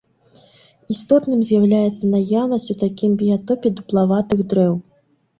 Істотным з'яўляецца наяўнасць у такім біятопе дуплаватых дрэў.